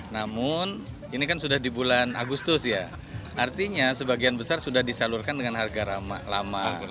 namun ini kan sudah di bulan agustus ya artinya sebagian besar sudah disalurkan dengan harga lama